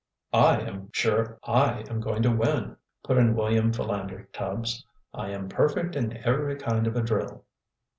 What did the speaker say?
"I am sure I am going to win," put in William Philander Tubbs. "I am perfect in every kind of a drill."